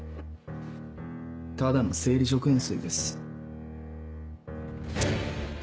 ただの生理食塩水です。